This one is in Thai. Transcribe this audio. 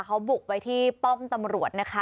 เขาบุกไปที่ป้อมตำรวจนะคะ